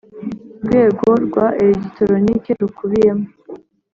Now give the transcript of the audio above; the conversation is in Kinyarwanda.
Rwego rwa elegitoronike rukubiyemo